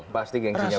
pasti gengsinya berbeda